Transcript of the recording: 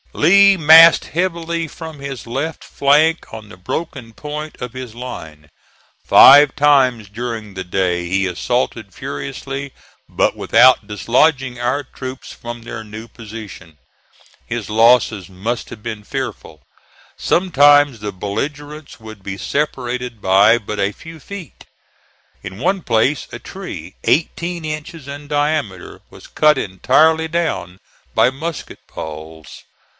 Lee massed heavily from his left flank on the broken point of his line. Five times during the day he assaulted furiously, but without dislodging our troops from their new position. His losses must have been fearful. Sometimes the belligerents would be separated by but a few feet. In one place a tree, eighteen inches in diameter, was cut entirely down by musket balls.